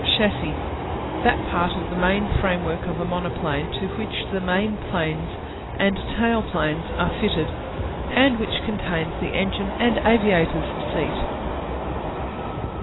Chassis (shas see) That part of the main framework of a monoplane to which the main planes and tail planes are fitted and which contains the engine and aviators seat.